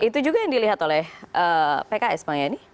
itu juga yang dilihat oleh pks pak yanni